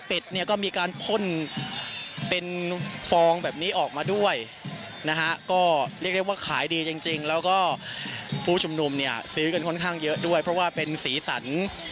เนี่ยก็มีการพ่นเป็นฟองแบบนี้ออกมาด้วยนะฮะก็เรียกได้ว่าขายดีจริงแล้วก็ผู้ชุมนุมเนี่ยซื้อกันค่อนข้างเยอะด้วยเพราะว่าเป็นสีสัน